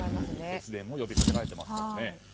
節電も呼びかけられていますもんね。